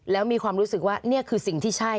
แล้วมีความรู้สึกว่านี่คือสิ่งที่ใช่